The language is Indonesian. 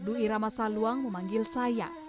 wabdu iramasaluang memanggil saya